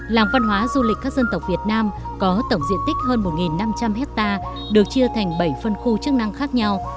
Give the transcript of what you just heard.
làng văn hóa du lịch các dân tộc việt nam có tổng diện tích hơn một năm trăm linh hectare được chia thành bảy phân khu chức năng khác nhau